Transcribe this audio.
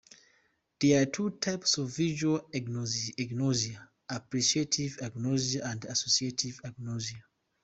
There are two types of visual agnosia: apperceptive agnosia and associative agnosia.